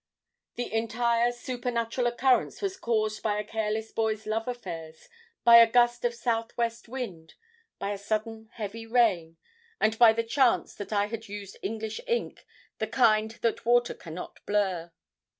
"The entire 'supernatural' occurrence was caused by a careless boy's love affairs, by a gust of southwest wind, by a sudden heavy rain, and by the chance that I had used English ink, the kind that water cannot blur.